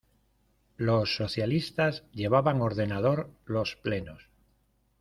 Los socialistas llevaban ordenador los plenos.